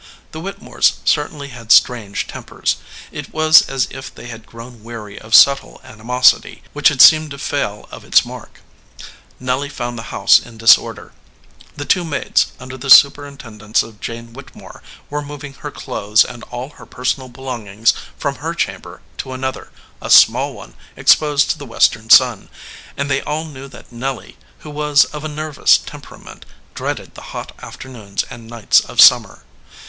The Whittemores certainly had strange tempers. It was as if they had grown weary of subtle animos ity, which had seemed to fail of its mark. Nelly 202 SOUR SWEETINGS found the house in disorder ; the two maids, under the superintendence of Jane Whittemore, were moving her clothes and all her personal belongings from her chamber to another, a small one exposed to the western sun; and they all knew that Nelly, who was of a nervous temperament, dreaded the hot afternoons and nights of summer.